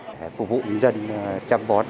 để phục vụ dân chăm bón